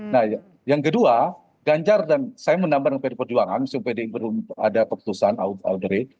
nah yang kedua ganjar dan saya menambahkan pada pd perjuangan misalnya pd yang belum ada keputusan audrey